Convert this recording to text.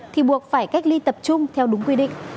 thì buộc phải cách ly tập trung theo đúng quy định